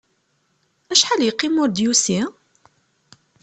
Acḥal yeqqim ur d-yusi?